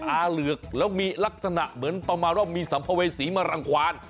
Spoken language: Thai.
อาเหลือกแล้วมีลักษณะเหมือนประมาณว่ามีสัมภเวษีมารังความ